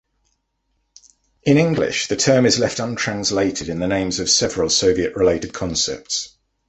In English, the term is left untranslated in the names of several Soviet-related concepts.